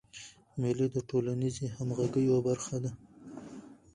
مېلې د ټولنیزي همږغۍ یوه برخه ده.